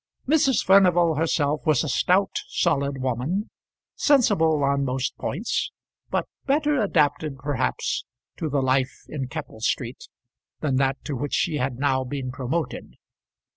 Mrs. Furnival herself was a stout, solid woman, sensible on most points, but better adapted, perhaps, to the life in Keppel Street than that to which she had now been promoted.